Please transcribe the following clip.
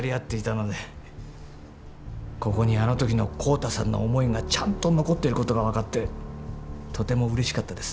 ここにあの時の浩太さんの思いがちゃんと残っていることが分かってとてもうれしかったです。